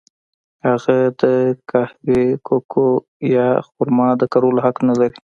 هغه د قهوې، کوکو یا خرما د کرلو حق نه لري.